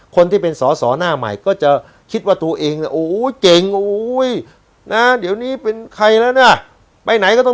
คนที่เป็นสอหน้าใหม่ก็จะคิดว่าตัวเอง